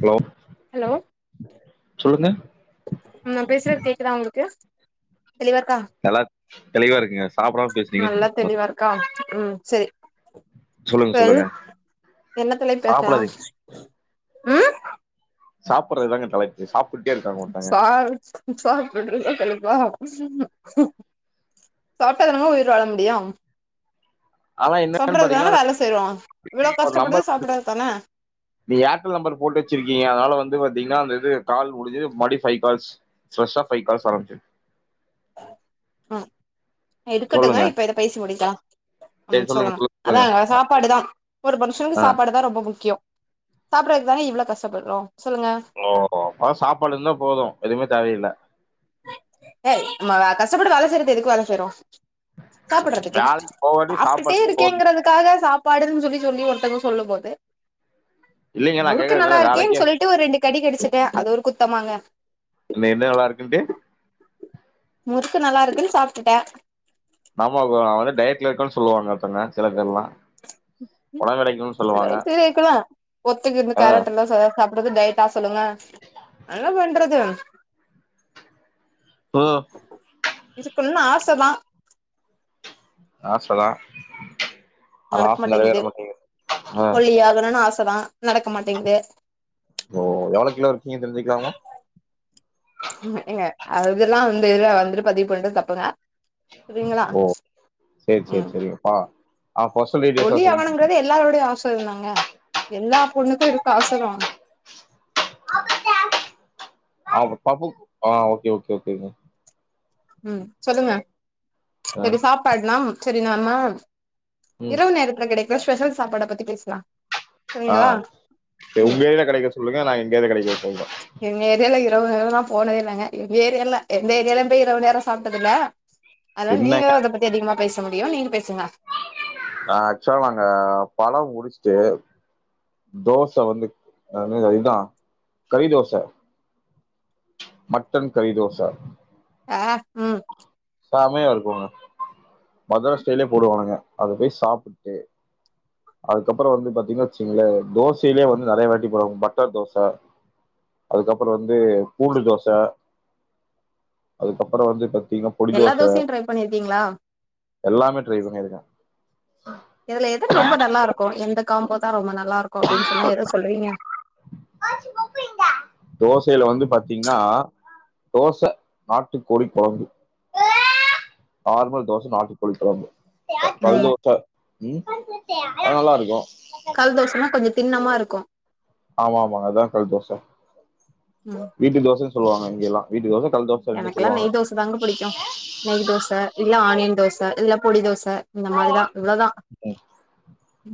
Hello hello சொல்லுங்க நா பேசுறது கேக்குதா உங்களுக்கு தெளிவாருக்கா நல்லா தெளிவா இருக்குங்க சாப்பிடாம பேசினீங்க [unintelligible] அக்கா ம் சேரி சொல்லுங்க சொல்லுங்க சொல்லு என்ன தலைப்பு பேசலா சாப்பிடாதீங்க ம் சாப்புறதுதாங்க தலைப்பு சாப்புட்டே இருக்காங்க ஒருத்தங்க ஆஹ் சாப்பிடுறது தா தலைப்பா சாப்ட்டா தானேங்க உயிர் வாழ முடியும் ஆனா என்னன்னு சாப்புறதுக்கு தானே பாத்தீங்கன்னா வேல செய்றோ இவ்ளோ கஷ்டப்படுறது சாப்புடுறதுக்கு தானே நீங்க ஏர்டெல் நம்பர் போட்டு வச்சிருக்கீங்க அதனால வந்து பாத்தீங்கன்னா அந்த இது கால் முடிஞ்சது மறுபடியு ஃபை கால்ஸ் ஃபிரஷா ஃபை கால்ஸ் ஆரம்பிச்சது ஆ எடுக்கட்டுங்க சொல்லுங்க இப்ப இத பேசி முடிக்கலா ம் சொல்லுங்க அதா சாப்பாடுதா ஒரு மனுஷனுக்கு ஆ சாப்பாடுதா ரொம்ப முக்கியம் சாப்புறக்குதானே இவ்ளோ கஷ்டப்படுறோ சொல்லுங்க ஓஹ்ஹோ ஆனா சாப்பாடு இருந்தா போது எதுவுமே தேவயில்ல ஏய் நம்ம கஷ்டப்பட்டு வேல செய்யறது எதுக்கு வேல செய்ரோ சாப்புறதுக்கு வேலைக்கு போகாட்டி சாப்ட்டுட்டே சாப்பாடு போதும் இருக்கேங்கறதுக்காக சாப் பாடுன்னு சொல்லி சொல்லி ஒருத்தங்க சொல்லும் போது இல்லைங்க நான் முறுக்கு கேக்குறது நல்லா என்னன்னா இருக்கேன்னு வேலைக்கே சொல்லிட்டு ஒரு ரெண்டு கடி கடிச்சுட்டே அது ஒரு குத்தமாங்க இல்ல என்ன நல்லா இருக்குன்ட்டு முறுக்கு நல்லா இருக்குன்னு சாப்ட்டுட்டே நாமாக் அ வந்து டைட்ல இருக்கன் சொல்லுவாங்க [unintelligible] சில பேர்லா டிவி இருக்கலா ஒத்தக்கி இந்த ஆ கரெண்ட் எல்லா சாப் றது டைட்டா சொல்லுங்க என்ன பண்றது ஓ இதுக்கு இன்னு ஆச தா ஆச தா அவ நடக்க ஆச நிறவேற மாட்டேங்குது மாட்டேங்கிது அஹ் ஒல்லி ஆகணுன்னு ஆச தா ஓ எவ்ளோ கிலோ இருக்கீங்கன்னு தெரிஞ்சுக்கலாமா ங்க அதெல்லா வந்து வந்துட்டு பதிவு பண்றது தப்புதா சரிங்களா உம் சொல்ட்டா ஆ [unintelligible] ஒல்லி ஆகணும்ங்கிறது எல்லாரோட ஆச தாங்க எல்லா பொண்ணுக்கு இருக்க ஆச தா ஆ பாப்போ ஓகே ஓகே ஓகேங்க ம் சொல்லுங்க ஆ சரி சாப்டாச்சுனா சரி நாம ம் இரவு நேரத்துல கிடைக்கர ஸ்பெஷல் சாப்பாட பத்தி பேசலா சரிங்களா ஆஹ் ம் உங்க இதுல கிடைக்கரத சொல்லுங்க நா எங்கயதுல கிடைக்கரத சொல்றே எங்க ஏரியால இரவுங்கல நா போனதே இல்லங்க எங்க ஏரியால்ல எந்த ஏரியாலயு இரவு நேரோ சாப்ட்டதுல்ல அதனால என்னங்க நீங்கதா அத பத்தி அதிகமா பேச முடியு நீங்க பேசுங்க ஆஹ் ஆக்சுவலா நாங்க படோ முடிச்ட்டு தோச வந்து அதா கரி தோச மட்டன் கரி தோச ஆஹ் ம் செமையா இருக்கும்ங்க மதராஸ் ஸ்டைல்லயே போடுவானுங்க அது போய் சாப்ட்டுட்டு அதுக்கப்புறோ வந்து பாத்தீங்கன்னா வச்சுங்களே தோசையிலயே வந்து நிறைய வெரைட்டி போடுவாங்க பட்டர் தோச அதுக்கப்புறோ வந்து பூண்டு தோச அதுக்கப்புறோ வந்து பத்தீங்ன்னா பொடி எல்லா தோசை தோசையு ட்ரை பண்ணிருக்கீங்களா எல்லாமே ட்ரை பண்ணிருக்கே இதுல எது ரொம்ப நல்லா இருக்கு எந்த காம்போ தா ரொம்ப நல்லா இருக்கு அப்டின்னு சொன்னா எத சொல்லுவீங்க தோசையில வந்து பாத்தீங்ன்னா தோச நாட்டு கோழி குழம்பு நார்மல் தோச நாட்டுக்கோழி குழம்பு அ கல் ம் தோச ம் அது நல்லா இருக்கும் கல் தோசன்னா கொஞ்சம் தின்னமா இருக்கும் ஆமா ஆமாங்க அதா கல் தோச ம் வீட்டு தோசன்னு சொல்லுவாங்க இங்க எல்லாம் வீட்டு தோச கல் தோச ரெண்டு எனக்குல்லா நெய் சொல்லுவாங்க. தோச தாங்க புடிக்கும் நெய் தோச இல்ல ஆனியன் தோச இல்ல பொடி தோச இந்த மாரிதா இவ்ளதா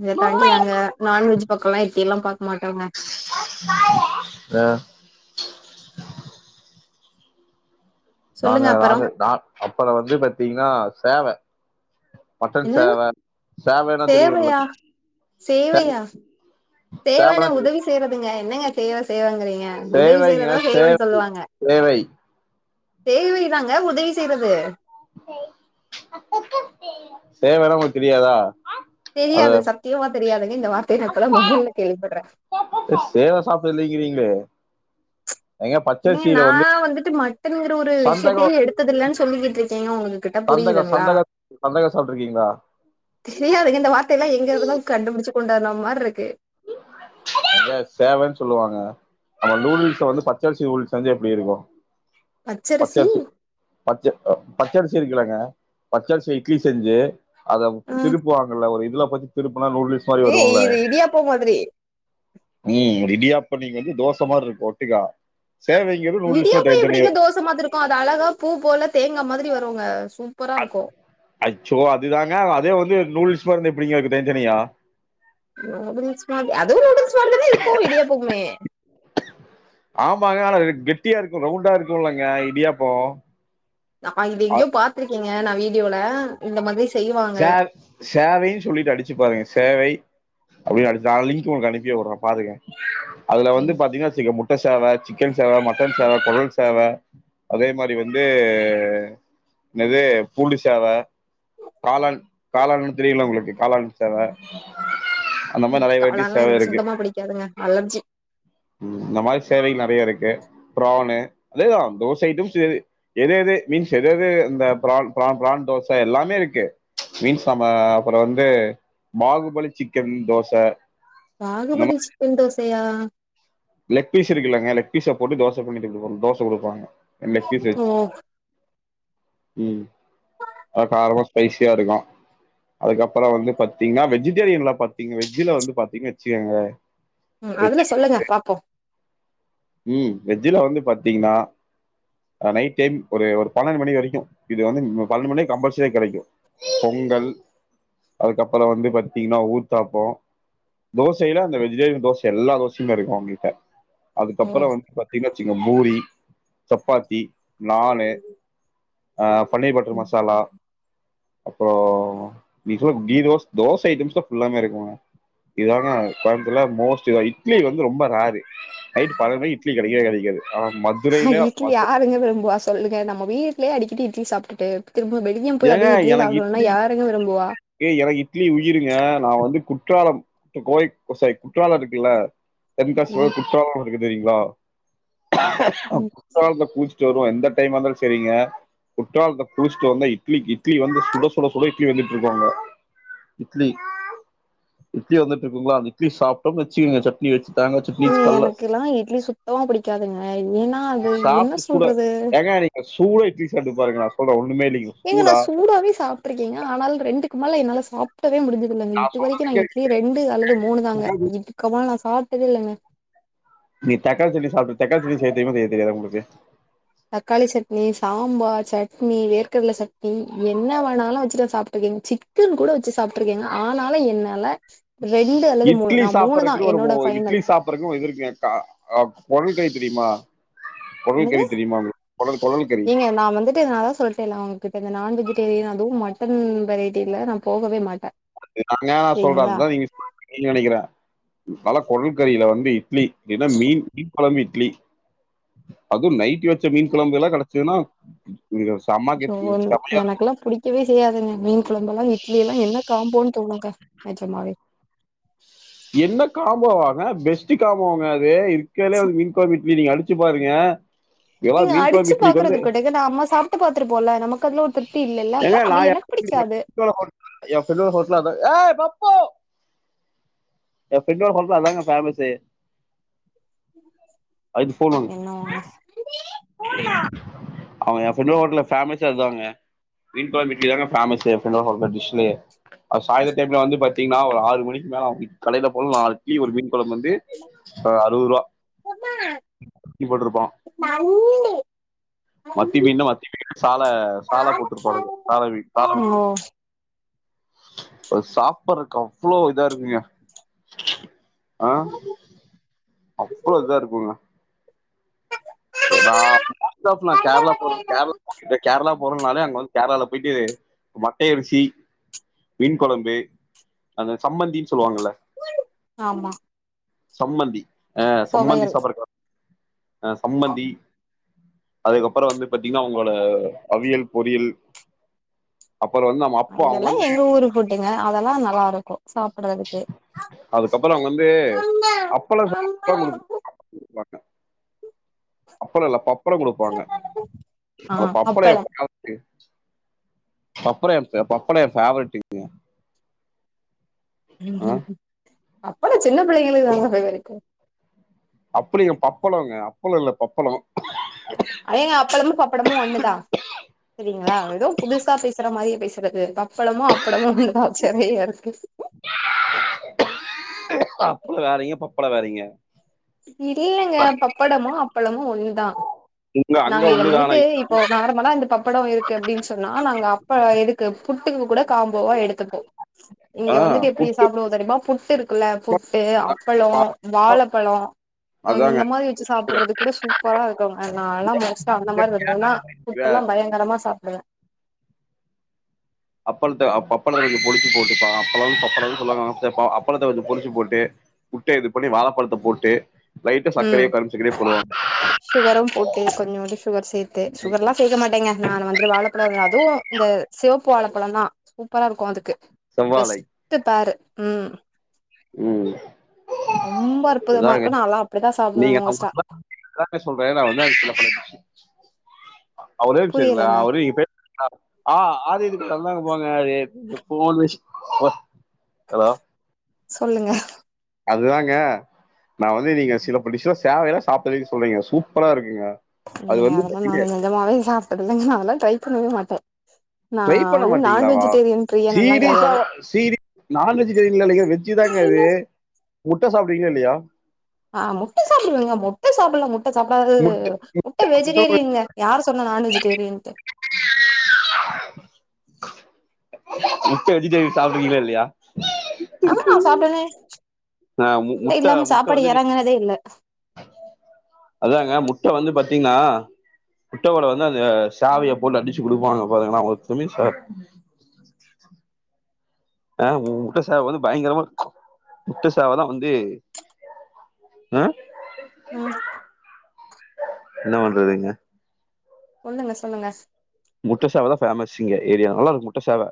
இத தாண்டி ம். நாங்க நாண் வெஜ் பக்கோல்லா எட்டி எல்லா பாக்க மாட்டோங்க அ நாங்க சொல்லுங்க அப்பறோ நானு நா அப்புறம் வந்து பாத்தீங்கன்னா சேவ மட்டன் என்னது சேவ சேவன்னா தெரியுல்ல சேவையா [unintelligible] செய்வன்னா உதவி செய்றதுங்க என்னங்க செய்வ செய்வேங்கிறீங்க அ உதவி சேவைங்க செய்றதா செய்வன் சேவை சொல்லுவாங்க சேவை சேவைதாங்க உதவி செய்றது சேவனா உங்களுக்கு தெரியாதா அத தெரியாது சத்தியமா தெரியாதுங்க இந்த வார்த்தைய நா இப்பதா மொதல்ல கேள்விப்பட்றே அ சேவ சாப்பில்லைங்கிறீங்களே ங்கே நா வந்து வந்துட்டு மட் ட்டன்குற ஒரு விஷயத்தே சந்தகம் எடுத்ததில்லன் சொல்லிக்கிட்ருக்கேங்க உங்க க கிட்ட சந்தக புரியுதுங்ளா சந்தக சந்தக சாப்ட்ருக்கீங்களா தெரியாதுங்க இந்த வார்த்தையெல்லாம் எங்க இருந்து தா கண்டுபுடிச்சு கொண்டு வந்தா மார்ருக்கு அதா சேவன்னு சொல்லுவாங்க நம்ம நூடுல்ஸ வந்து பச்சரிசி நூடுல்ஸ் வந்து எப்புடி இருக்கும் பச்சரிசி பச்ச அ பச்சரிசி இருக்குலங்க பச்சரிசி இட்லி செஞ்சி அத ஆ திருப்புவாங்கல்ல ஒரு இதுல பத்தி திருப்புனா நூடுல்ஸ் மாரி ஏய் வரும்ல இது இடியாப்பம் மாதிரி ம் ஒரு இடியாப்பம் நீங்க வந்து தோச மார்ருக்கும் ஒட்டுக்கா சேவைங்கிறது நூடுல்ஸ் மாரி தனி தனியா ப்ப மாதுருக்கும் அது அழகா பூ போல தேங்கா மாதிரி வருங்க சூப்பரா இருக்கும் அச்சோ அதுதாங்க அதே வந்து நூடுல்ஸ்மார்ருந்தா எப்புடிங்க இருக்கும் தனி தனியா நூடுல்ஸ் மாதிரி அதுவும் நூடுல்ஸ் மாரிதானே இருக்கும் இடியாப்புமே ஆமாங்க ஆனா அது கெட்டியா இருக்கும் ரவுண்டா இருக்கும்லங்க இடியாப்போ நா இது அ எங்கயோ பாத்திருக்கேங்க நா வீடியோல இந்த மாதிரி செய்வா ஜ சேவைன் சொல்லிட்டு அடிச்சு பாருங்க சேவை அப்டின் அடிச்சு அது லிங்க் உங்களுக்கு அனுப்பி உட்றே பாருங்க அதுல வந்து பாத்தீங்கன்னு வச்சிங்க முட் ட்ட சேவ சிக்கன் சேவ மட்டன் சேவ கொடல் சேவ அதே மாரி வந்து நேது பூண்டு சேவ காளான் காளான்னு தெரியுல உங்களுக்கு காளான் சேவ அந்த மாரி நறைய வெரைட்டிஸ் அதெல்லா சேவ எனக்கு இருக்கு [unintelligible] அலர்ஜி ம் இந்த மாரி சேவை நறைய இருக்கு ப்ரான்னு அதேதா தோசைட்டும் சேவு எது எது மீன்ஸ் எது எது இந்த பிரான் பிரான் பிரான் தோச எல்லாமே இருக்கு மீன்ஸ் நம்ம அப்புறோ வந்து பாகுபலி சிக்கன் தோச அந்த பாகுபலி மாரி சிக்கன் தோசையா லெக் பீஸ் இருக்குலங்க லெக் பீஸ போட்டு தோச பண்ணிட்டு [unintelligible] தோச குடுப்பாங்க அ லெக் பீஸ்ஸ ஓ வெச்சி ம் அது காரமா ஸ்பைசியா இருக்கு அதுக்கப்புற வந்து பாத்தீங்ன்னா வெஜிடேரியன்ல பாத்தீங்க வெஜ்ஜில வந்து பாத்தீங்ன்னு வச்சிக்கோங்க ம் அதுல சொல்லுங்க பாப்பு ம் வெஜ்ஜில வந்து பாத்தீங்ன்னா அ நைட் டைம் ஒரு ஒரு பன்னண்டு மணி வரிக்கு இது வந்து நீங் ம பன்னண்டு மணிய கம்பல்சரியா கெடைக்கு பொங்கல் அதுக்கப்புற வந்து பாத்தீங்ன்னா ஊத்தாப்போ தோசைல அந்த வெஜிடேரியன் தோச எல்லா தோசயுமே இருக்கு அவுங்கிட்ட அதுக்கப்புற வந்து பாத்தீங்னா வச்சிங்க பூரி சப்பாத்தி நாணு அ பன்னீர் பட்ரு மசாலா அப்புறோ நீ சொல் கீ ரோஸ்ட் தோச ஐட்டம்ஸ்ல ஃபுல்லாமே இருக்குங்க இதான கொய்ம்த்துல்லா மோஸ்ட் இதா இட்லி வந்து ரொம்ப ரேரு நைட்டு பன்னண்டு மணிக்கி இட்லி கடைக்வே கடைக்காது அனா மத் ஹ இட்லி யாருங்க விரும்புவா சொல்லுங்க நம்ம வீட்லே அடிக்கடி இட்லி சாப்ட்டுட்டு திரும்பு பெட் இங்யும் போய் அதே இட்லிய சாப்ணுன்னா யாருங்க விரும்புவா ஏ எனக்கு இட்லி உயிருங்க நா வந்து குற்றாலம் இப்ப கோய் போ சரி குற்றால இருக்குல்ல தென்காசியோட ம் குற்றால இருக்கு தெரியுங்ளா ம் குற்றாலத்ல குள்ச் சி வருவோ எந்த டைமா இருந்தாலு செரிங்க குற்றாலத்த குளிச்ட்டு வந்த இ இட்லிக்கி இட்லி வந்து சுட சுட சுட இட்லி வெந்துட்ருக்கு அங்க இட்லி இட்லி வெந்துட்ருக்குங்ளா அந்த இட்லி சப்ட்டோன் வச்சுக்கங்க சட்னி வச்சு தேங்கா சட்னி ஏங்க கல்ல எனக்குல்லா இட்லி சுத்தமா புடிக்காதுங்க ஏன்னா அது என்ன சொல்றது சூட இட்லி சாப்ட்டு பாருங்க நா சொல்ற ஒன்னுமே இல்லிங்கோ ஏங்க நா சூடாவவே சாப்ட்ருக்கேங்க ஆனாலு ரெண்டுக்கு மேல என்னால சாப் ட்டவே முடிஞ்சதுல்லங்க இது வரிக்கு நா இட்லி ரெண்டு அல்லது மூணு தாங்க கேளுங்க இதுக்கமால நா சாப்ட்டதே இல்லங்க நீ தக்காள் சட்னி சாப்ட்டு தக்காளி சட்னி செய் தெரிய்மா செய்ய தெரியாதா உங்ளுக்கு தக்காளி சட்னி சாம்பார் சட்னி வேர்க்கடல சட்னி என்னா வாணாலு வச்சுட்ட சாப்ட்ருக்கேங் சிக் குன் கூட வச்சு சாப்ட்ருக்கேங்க ஆனாலு என்னால ரெண்டு அல்லது மூணு நா மூணுதா என்னோட ஃபைனல் அப்பற இன்னொரு இது இருக்குங்க க அ கொடல் கறி தெரிய்மா கொடல் கறி தெரியுமா உங்ளுக் கொடல் கொடல் கறி ஏ நா வந்துட் ட்டு நதா சொல்ட்டேன்ல அவுங்கிட்ட இந்த நான் வெஜிடேரியன் அதுவு மட்டன் வெரைட்டில நா போகவே மாட்ட [inaudible] சொல்ற அத்தா நீ [inaudible] நெனக்கிற பல கொடல் கறியில வந்து இட்லி ஏன்னா மீன் மீன் கொழம்பு இட்லி அது நைட்டு வச்ச மீன் கொழம்பு எல்லா கடைச்சிதுனா இங்க சோன் எனக்ல்லா புடிக் கிவே செய்யாதுங்க மீன் குழம்பலா இட்லி எல்லா என்ன காம்போன் தோணுங்க நிஜமாவே என்ன காம்போவாங்க பெஸ்ட் காம்போங்க அது இருக்கற்துலே ச வந்து மீன் கொழம்பு இட்லி நீங்க அடிச்சு ச்சி பாருங்க இதெல்லாம் ஏங்க மீன் குழம்பு அடிச்சு இட்லிக்கு பாக்குறது வந்து இருக்கட்டுங்க ந அம்மா சாப்ட்டு பாத்துருபோல்ல நமக்கு அதுல ஒரு திருப்தி இல்லல்ல அப்ப நம்ம எனக் புடிக்காது ஏ ஃப்ரெண்டோ ஹோட்டல்ல அதா ஏய் பப்போ ஏ ஃப்ரெண்டோ ஹோட்ல்ல அதாங்க ஃபேமஸே என்னா ஒங்க அவ ஏ ஃப்ரெண்டோ ஹோட்ல்ல ஃபேமஸே அதுதாங்க மீன் கொழம்பு இட்லி தாங்க ஃபேமஸே ஏ ஃபிரண்டோட ஹோட்டல் டிஷ்லே அ சாய்ந்தர டைம்ல வந்து பாத்தீங்ன்னா ஒரு ஆறு மணிக்கு மேல அவுங் இப் கடைல போல் நால் இட்லி ஒரு மீன் கொழம்பு வந்து அ அறுபது ரூபா [unintelligible] போட்டுருப்போ தன் மத்தி மீனுனா மத்தி மீன்னு சால சால போட்ருப்பானுங்க சால மீனு சால மத்தி ஓ அ சாப்பட்றக்கு அவ்ளோ இதா இருக்குங்க ஆ அவ்ளோ இதா இருக்குங்க எ வா பஸ்ட் கிளாஸ் நா கேரளா போறது கேரளா இந்த கேரளா போறதுனாலே அங்க வந்து கேரளால போய்ட்டு மட்டய விரிச்சி மீன் கொழம்பு அங்க சம்மந்தி சொல்லுவாங்கல்ல ஆமா சம்மந்தி அ சம்மந்தி தொவையல் சாப்பட்றக்கு அ சம்பந்தி அதுக்கப்றோ வந்து பாத்தீங்கன்னா அவுங்களோட அவியல் பொறியல் அப்பறோ என்னா இதெல்லா எங்க ஊரு ஃபுடுங்க அதெல்லா நல்லாருக்கு சாப்பட்றதுக்கு அதுக்கப்புறோ அவங்க வந்து [inaudible] அப்பலோ இல்லப்பா அப்பளங் கொடுப்பாங்க ஆ அப்பளோ அப்பளம் [unintelligible] பப்படோ என் பப்படோ என் பேவரட் டிஷ்ங்க ஆ அப்பளோ சின்ன பிள்ளைங்களுக்கு தாங்க ஃபேவரெட்டு அப்புலிங்க பப்பளோங்க அப்பளோ இல்ல பப்பளோ ஏங்க அப்பளமு பப்படமு ஒண்ணுதா சரிங்களா ஏதோ புதுசா பேசுற மாரியே பேசறது பப்பளமு அப்படமு ஒன்னுதா சரியா இருக்கு அப்பளோ வேறீங்க பப்படோ வேறீங்க இல்லங்க பப்படமு அப்பளமு ஒன்னு தா [inaudible] நாங்க இத ஒண்ணுதானா வந்துட்டு இப்போ நார்மலா இந்த பப்படோ இருக்கு அப்டின் சொன்னா நாங்க அப்ப எதுக்கு புட்டுக்கு கூட காம்போவா எடுத்துப்போ இங்க ஆஹ் வந்துட்டு எப்டி புட்டு சாப்டுவோ தெரிமா புட்டு் இருக்குல பப்படம், புட்டு அப்பளோ பா- வாழப்பழோ அதாங்க இந்த மாரி வச்சி சாப்பற்றதுக் கூட சூப்பரா இருக்கு நாலா மோஸ்ட்டா அந்த மாரி இருந்தனா இப்பல்லா பயங்கரமா சாப்புடுவ அப்பளத்த அ அப்பளத்த பொடிச்சி போட்டுப்பா அப்ளத்த பப்பளனு சொல்லுவாங்க அப்பளத்த பொடிச்சு போட்டு புட்ட இது பண்ணி வாழப்பழத்த போட்டு லைட்டா சக்கரயோ கரும்பு சக்கரயோ போடுவாங்க ஷுகரும் போட்டு கொஞ்சோ வந்து ஷுகர் சேத்து ஷுகர்லா சேக்க மாட்டங்க நா வந்துட்டு வாழைப்பழத்த அதுவு இந்த சிவப்பு வாழப்பழந்தா சூப்பரா இருக்கு அதுக்கு செவ்வாழை பெஸ்டு பேர்ரு ம் ம் ரொம்ப அற்புதமா அதாங்க இருக்கு நாலா அப்டிதா சாப்டுவே நீங்க மோஸ்ட்டா ந சொல்றே நா வந்து சொல்ற [unintelligible] ஒரே நிமிஷோ புரியலங்க அவரு [inaudible] அ ஆ ஆது இதுக்கு தந்தாங்க பங்காளி போன் வெச்சு ஹலோ சொல்லுங்க அத்தாங்க நா வந்து நீங்க சில பல டிஷ்லா சேவையெல்லா சாப்ட்டதே இல்ல சொல்றீங்க சூப்பரா இருக்குங்க அது நீங்க வந்து அதெல்லா நா நெஜமாவே சாப்ட்டது இல்லங்க நாலா ட்ரை பண்ணவே மாட்டே நா ட்ரை பண்ண வந்து நான் மாட்டீங்களாவா வெஜிடேரியன் பிரியன் எல்லா சீரீஸா கெடையாது சீரி நாண்வெஜ் [unintelligible] இல்லிங்க இது வெஜ்ஜு தாங்க அது முட்ட சாப்டுவிங்களா இல்லயா ஆ முட்ட சாப்டுவங்க முட்ட சாப்பல்லா முட் முட்ட சாப்டாதது முட்டை முட்ட முட்டை வெஜிடேரியன்ங்க யாரு சொன்னா நான் வெஜிடேரியன்ட்டு முட்ட வெஜிடேரியன் சாப்டுவீங்களா இல்லயா ஆமா நா சாப்டுவனே ஆஹ் மு- முட்ட முட்டை இல்லாம முட்டை சாப்பாடு வந்து நீ- எறங்குனதே இல்ல அதாங்க முட்ட வந்து பாத்தீனா முட்ட ஓட வந்து அந்த சாவைய போட்டு அடிச்சி குடுப்பாங்க பாருங்கல ஒரு துளி ஃபேட் ஆ முட்ட சேவ வந்து பயங்கரமா முட்ட சேவதா வந்து அ ம் என்ன பண்றதுங்க ஒண்ணுக சொல்லுங்க முட்ட சேவ தா ஃபேமஸ் இங்க ஏரியா நல்லா இருக்கு முட்ட சேவ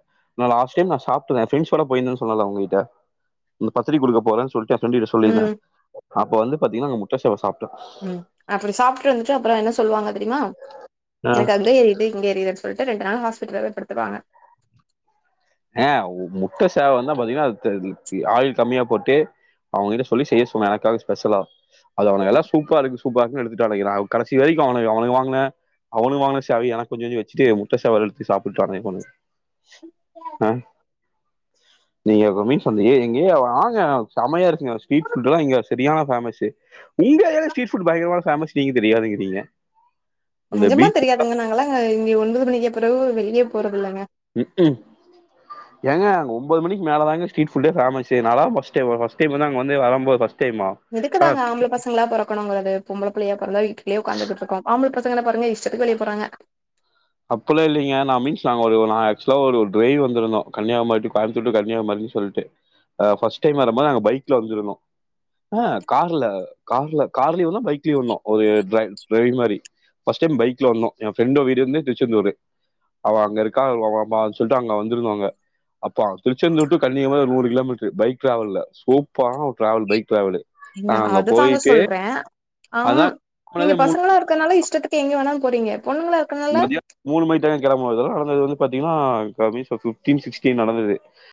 நா லாஸ்ட் டைம் நா சாப்ட ஃபிரண்ட்ஸ் ஓட போயிருந்தேனு சொன்னல்ல உங்ககிட்ட இந்த பத்திரிக்க குடுக்க போறன் சொல்ட்டே ஃபிரண்டு கிட்ட சொல்லிருந்த ம் அப்ப வந்து பாத்தீங்கனா நா முட்ட சேவ சாப்ட ம் அப்டி சாப்ட்டு வந்துட்டு அப்றோ என்ன சொல்லுவாங்க தெரியுமா எனக்கு அங்க எரியுது இங்க எரியுது சொ போயிட்டு ரெண்டு நாள் ஹாஸ்பிட்டல போய் படுத்துவாங்க ஆ முட்ட சேவ வந்தா பாத்தீங்கனா அ ஆயில் கம்மியா போட்டு அவுங்ககிட்ட சொல்லி செய்ய சொன்ன எனக்காக ஸ்பெஷலா அது அவனுங்கலா சூப்ரா இருக்கு சூப்ரா இருக்குனு எடுத்துட் அலைரா கடைசி வரைக்கு அவுனுக் அவனுகா வாங்குன அவுனுக்கு வாங்குன சேவய எனக் கொஞ்ச கொஞ்ச வச்சிட்டு முட்ட சேவ எடுத்து சாப்புட்டு போனோ அ நீங்க மீட் பண்றீங்க இங்கயே வாங்க செமையா இருக்குங்க ஸ்ரட் ஃபுட்ல்லா இங்க சரியான பேமஸ்சு நீங்க தா ஸ்ட்ரீட்ஃபுட் பயங்கரமா ஃபேமஸ் நீங்க தெரியாதுங்கிறீங்க அந்த நெஜமா பீச் தெரியதுங்க நாங்களா இங்க ஒன்பது மணிக்கு பிறவு வெளியே போறதில்லங்க க்கும் ஏங்க அங்க ஒம்பது மணக்கி மேல தாங்க ஸ்ட்ரீட் புட்டே ஃபேமசு நாலாம் ஃபர்ஸ்ட் டைம் ஃபஸ்ட் டைம் அங்க வரும்போது அங்க ஃபர்ஸ்ட் டைம் ஆ இதுக்குதாங்க ஆம்ப பசங்களா பொரக்கனுங்கறது பொம்பள புள்ளையா பொறந்தா வீட்டுலயே உக்காந்துட்டு இருக்கு ஆம்பள பசங்கள பாருங்க இஷ் சக்கு வெளிய போறாங்க அப்பல்லா இல்லைங்க நா மீன்ஸ் நாங்க ஒரு ந ஆக்சுலா ஒரு டிரைவ் வந்திருந்தோ கன்னியாகுமரி டூ கோயம்புத்தூர் டூ கன்னியாகுமரின் சொல்ட்டு ஃபஸ்ட் டைம் வரும்போது நாங்க பைக் ல வந்துருந்தோ ஆஹ் கார்ல கார்ல கார்லயே வந்தோம் பைக்லயே வந்தோம் ஒரு ட்ரைவ் டிரைவ் மாரி ஃபர்ஸ்ட்டு டைம் பைக்ல வந்தோம் என் ஃப்ரெண்டோ வீடு வந்து திருச்செந்தூர் அவ அங்க இருக்கா அவனு சொல்லிட்டு அங்க வந்திருந்தாங்க அப்பா திருச்செந்தூர் டு கன்னியாகுமரி நூறு கிலோமீட்டரு பைக் டிராவல சூப்பரானா டராவல் பைக் டிராவல் ஏங்க நாங்க அங்க அதுதாங்க போயிட்டு சொல்றேன் ஆம் அதான் நீங்க போனதே மூணு பசங்களல்லாம் க்கனால இஷ்டத்துக்கு எங்க வேணாலு போறீங்க பொண்ணுங்கள மதியம் மூணு மணிக்கலா கிளம்புனது நால அது வந்து பாத்தீங்கனா வீச ஃபிட்டீன் சிக்ச்டீன் நடந்தது